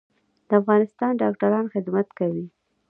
د افغانستان ډاکټران خدمت کوي